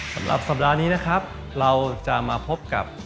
สำหรับสัปดาห์นี้นะครับเราจะมาพบกับ